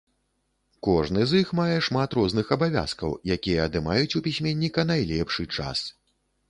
Кожны з іх мае шмат розных абавязкаў, якія адымаюць у пісьменніка найлепшы час.